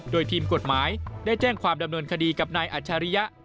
โดยทีมกฎหมายได้แจ้งความดำเนินคดีกับนายอัจฉริยะ